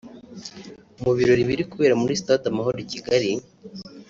mu birori biri kubera muri stade Amahoro i Kigali